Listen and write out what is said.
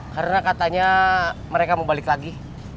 karena katanya mereka mau balik lagi